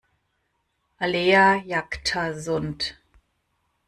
Alea jacta sunt.